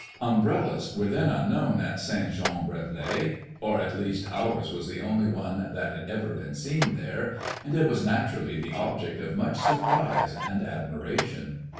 Umbrellas were then unknown at St. Jean Brévelay, or at least ours was the only one that had ever been seen there, and it was naturally the object of much surprise and admiration.